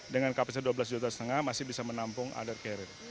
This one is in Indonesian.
dengan kapasitas dua belas juta setengah masih bisa menampung other carrier